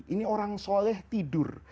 ini orang soleh tidur